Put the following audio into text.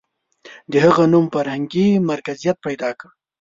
• د هغه نوم فرهنګي مرکزیت پیدا کړ.